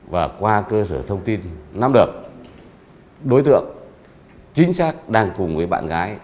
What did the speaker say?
và qua cơ sở thông tin nắm được đối tượng chính xác đang cùng với bạn gái